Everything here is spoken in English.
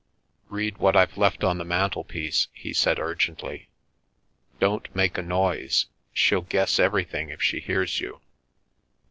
" Read what I've left on the mantelpiece," he said urgently. " Don't make a noise. She'll guess every thing if she hears you.